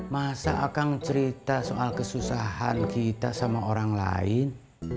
masa akan cerita soal kesusahan kita sama orang lain